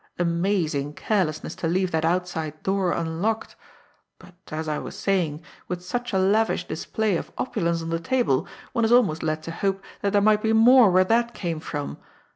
Amazing carelessness to leave that outside door unlocked! But, as I was saying, with such a lavish display of opulence on the table, one is almost led to hope that there might be more where that came from.